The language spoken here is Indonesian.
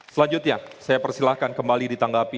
selanjutnya saya persilahkan kembali ditanggapi